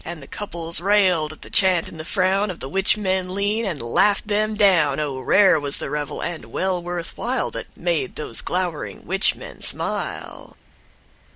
And the couples railed at the chant and the frown Of the witch men lean, and laughed them down. (O rare was the revel, and well worth while That made those glowering witch men smile.)